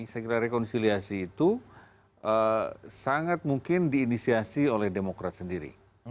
saya kira rekonsiliasi itu sangat mungkin diinisiasi oleh demokrat sendiri